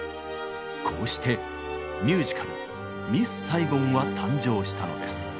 こうしてミュージカル「ミス・サイゴン」は誕生したのです。